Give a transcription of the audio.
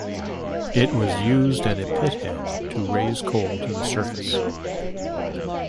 It was used at a pit head to raise coal to the surface.